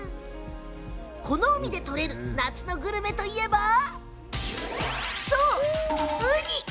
この海で取れる夏のグルメといえばそう、ウニ。